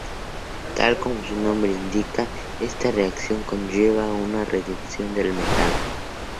Tal como su nombre indica, esta reacción conlleva una reducción del metal.